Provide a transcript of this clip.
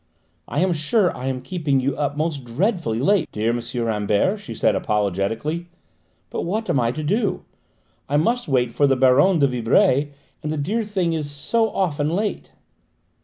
"I am sure I am keeping you up most dreadfully late, dear M. Rambert," she said apologetically, "but what am I to do? I must wait for the Baronne de Vibray, and the dear thing is so often late!"